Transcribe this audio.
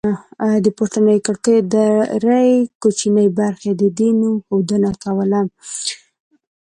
د پورتنیو کړکیو درې کوچنۍ برخې د دې نوم ښودنه کوله